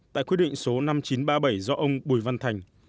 tại quyết định số năm nghìn chín trăm ba mươi bảy do ông bùi văn thành